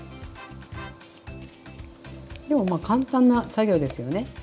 でもまあ簡単な作業ですよね。